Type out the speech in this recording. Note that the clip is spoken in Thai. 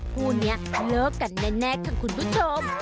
คู่นี้เลิกกันแน่ค่ะคุณผู้ชม